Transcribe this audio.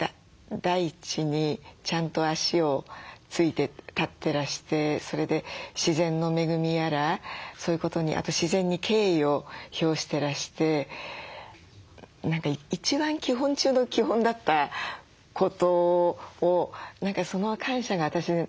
大地にちゃんと足を着いて立ってらしてそれで自然の恵みやらそういうことにあと自然に敬意を表してらして一番基本中の基本だったことをその感謝が私なかったなって思ってね。